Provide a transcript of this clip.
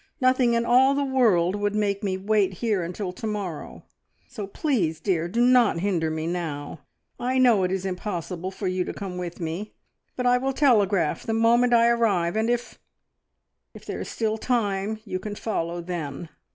Nothing in all the world would make me wait here until to morrow, so please, dear, do not hinder me now. I know it is impossible for you to come with me, but I will telegraph the moment I arrive, and if if there is still time, you can follow then."